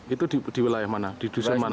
itu di wilayah mana di dusun mana